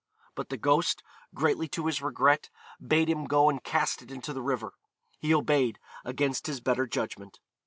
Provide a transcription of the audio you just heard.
But the ghost, greatly to his regret, bade him go and cast it into the river. He obeyed, against his better judgment.